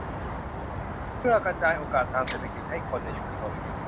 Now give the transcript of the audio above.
เพื่อกระจายโอกาสทางเศรษฐกิจให้คนในชุมชน